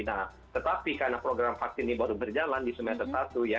nah tetapi karena program vaksin ini baru berjalan di semester satu ya